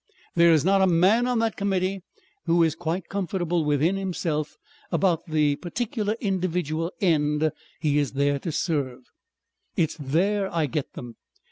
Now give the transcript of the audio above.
There is not a man on that Committee who is quite comfortable within himself about the particular individual end he is there to serve. It's there I get them.